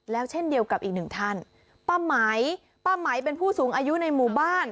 แล้วเช่นเดียวกับอีกหนึ่งท่านป้าไหมป้าไหมเป็นผู้สูงอายุในหมู่บ้าน